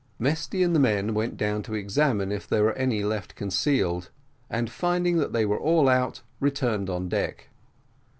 Mesty and the men went down to examine if there were any left concealed, and finding that they were all out, returned on deck.